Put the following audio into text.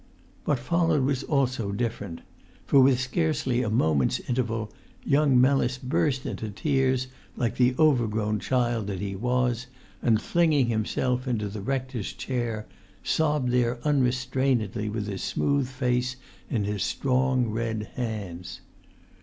What followed was also different; for, with scarcely a moment's interval, young Mellis burst into tears like the overgrown child that he was, and, flinging himself into the rector's chair, sobbed there unrestrainedly with his smooth face in his strong red hands.